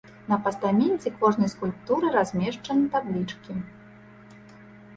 На пастаменце кожнай скульптуры размешчаны таблічкі.